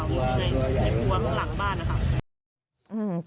อยู่ไหนในครัวหรือหลังบ้าน